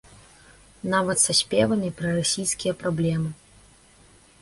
Нават са спевамі пра расійскія праблемы.